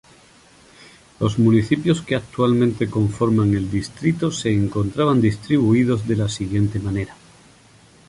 Los municipios que actualmente conforman el distrito se encontraban distribuidos de la siguiente manera.